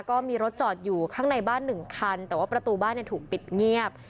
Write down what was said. ก็มีรถจอดอยู่ข้างในบ้านหนึ่งคันแต่ว่าประตูบ้านถูกปิดเงียบ